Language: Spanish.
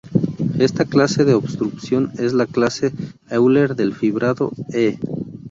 Esta clase de obstrucción es la clase de Euler del fibrado "E".